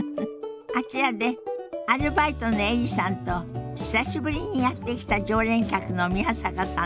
あちらでアルバイトのエリさんと久しぶりにやって来た常連客の宮坂さんのおしゃべりが始まりそうよ。